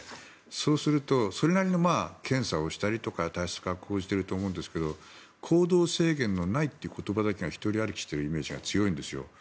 そうするとそれなりの検査をしたりとか対策は講じてると思うんですが行動制限のないという言葉だけが独り歩きしているイメージが強いんですよ。